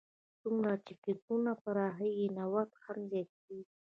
څومره چې فکرونه پراخېږي، نوښت هم زیاتیږي.